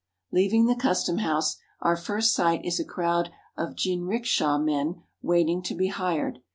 Leaving the customhouse, our first sight is a crowd of jinrikisha men waiting to be hired.